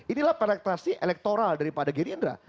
inilah penetrasi elektoral daripada gerindra